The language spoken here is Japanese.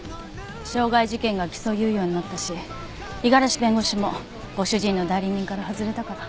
傷害事件が起訴猶予になったし五十嵐弁護士もご主人の代理人から外れたから。